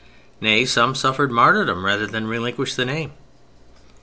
Nay, some suffered martyrdom rather than relinquish the name."